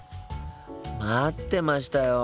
待ってましたよ。